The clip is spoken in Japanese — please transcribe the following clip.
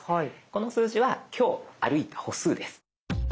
この数字は今日歩いた歩数です。